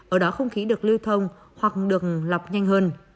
ở đó không khí được lưu thông hoặc được lọc nhanh hơn